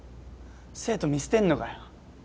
生徒見捨てんのかよ